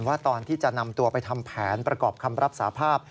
ว่าตอนที่จะนำตัวไปทำแผนประกอบคำรับสาภาพ